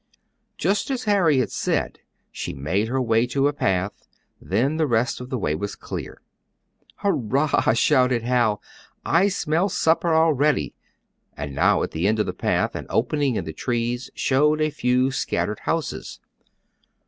Just as Harry had said, she made her way to a path, then the rest of the way was clear. "Hurrah!" shouted Hal, "I smell supper already," and now, at the end of the path, an opening in the trees showed a few scattered houses.